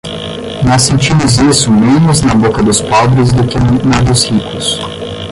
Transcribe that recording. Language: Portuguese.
Nós sentimos isso menos na boca dos pobres do que na dos ricos.